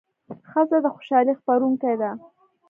ښځه د خوشالۍ خپروونکې ده.